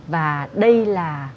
và đây là